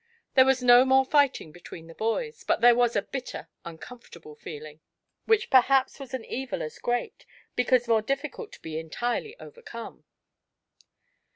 There was. no more fighting between the boys, but there was a bitter, un comfortable feeling, which perhaps was an evil as great, because more difficult to be entirely overcome.